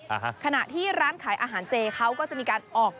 อ่าฮะขณะที่ร้านขายอาหารเจเขาก็จะมีการออก